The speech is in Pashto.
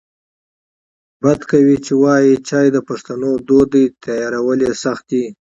بد کوي چې وایې چای د پښتنو دود دی تیارول یې سخت دی